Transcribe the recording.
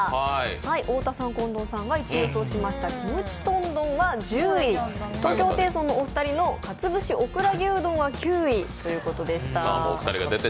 太田さん、近藤さんが１位予想をしたキムチ豚丼は１０位、東京ホテイソンのお二人のかつぶしオクラ牛丼は９位ということでした。